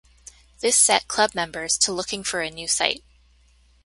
This set Club members to looking for a new site.